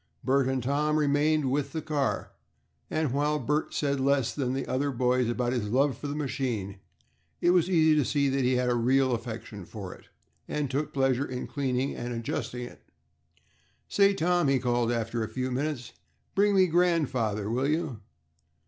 Bert and Tom remained with the car, and while Bert said less than the other boys about his love for the machine, it was easy to see that he had a real affection for it, and took pleasure in cleaning and adjusting it. "Say, Tom," he called after a few minutes, "bring me grandfather, will you?"